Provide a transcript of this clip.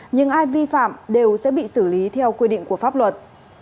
nhưng ai vi phạm đều sẽ bị xử lý theo quy định của pháp luật